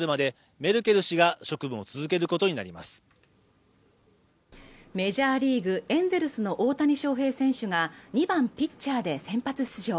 メジャーリーグ・エンゼルスの大谷翔平選手が２番ピッチャーで先発出場